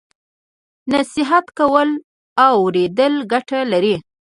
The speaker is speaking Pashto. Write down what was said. نصیحت کول او اوریدل ګټه لري.